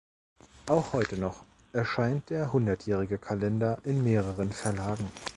Auch heute noch erscheint der Hundertjährige Kalender in mehreren Verlagen.